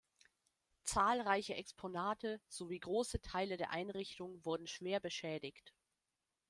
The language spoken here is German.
Zahlreiche Exponate sowie große Teile der Einrichtung wurden schwer beschädigt.